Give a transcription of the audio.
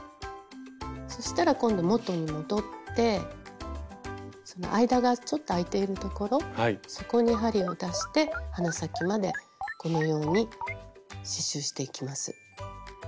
そしたら今度元に戻ってその間がちょっとあいているところそこに針を出して鼻先までこのように刺しゅうしていきます。